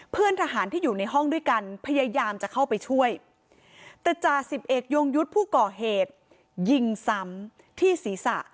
เพื่อนทหารที่อยู่ในห้องด้วยกันพยายามจะเข้าไปช่วยแต่จ่าสิบเอกยงยุทธ์ผู้ก่อเหตุยิงซ้ำที่ศีรษะ